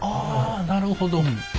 あなるほど。